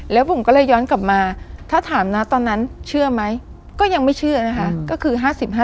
แล้วบุ๋มก็เลยย้อนกลับมาถ้าถามนะตอนนั้นเชื่อไหมก็ยังไม่เชื่อนะคะก็คือ๕๕